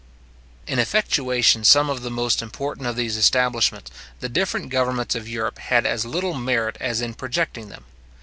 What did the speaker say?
In effectuation some of the most important of these establishments, the different governments of Europe had as little merit as in projecting them.